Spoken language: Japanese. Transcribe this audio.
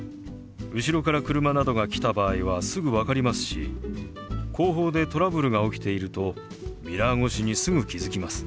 後ろから車などが来た場合はすぐ分かりますし後方でトラブルが起きているとミラー越しにすぐ気付きます。